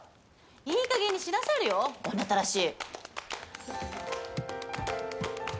いいかげんにしなされよ女たらし。